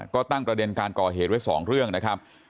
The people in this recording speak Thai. ก็ตั้งประเด็นการก่อเหตุไว้๒เรื่องนะครับ